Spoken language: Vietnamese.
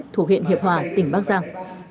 thuộc huyện hiệp hòa tỉnh bắc giang